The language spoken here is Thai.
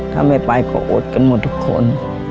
ถ้าไม่ไปก็อดกันหมดทุกคน